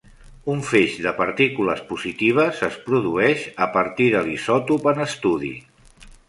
Un feix de partícules positives es produeix a partir de l'isòtop en estudi.